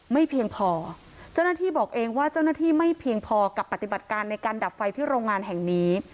ไม่เพียงพอเจ้าหน้าที่บอกเองว่าเจ้าหน้าที่ไม่เพียงพอกับปฏิบัติการในการดับไฟที่โรงงานแห่งนี้